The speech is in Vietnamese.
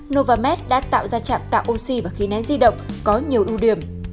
novamed đã tạo ra trạm tạo oxy và khí nén di động có nhiều ưu điểm